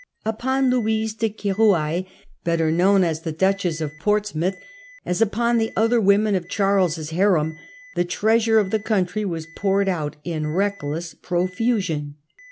Upon Louise de Kdroualle, better known as the Duchess of Portsmouth, as upon the other women of Charles's harem, the treasure of the country was poured out in reckless profusion.